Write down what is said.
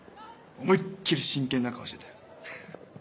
思いっきり真剣な顔してたよ。